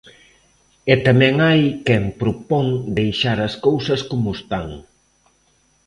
E tamén hai quen propón deixar as cousas como están.